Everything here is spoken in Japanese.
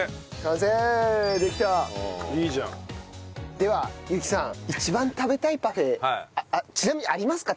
では有希さん一番食べたいパフェちなみにありますか？